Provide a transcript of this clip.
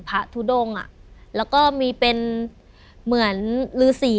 พ้าทุดงแล้วก็มีเป็นเหมือนลือสี